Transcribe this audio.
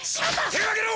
手を上げろ！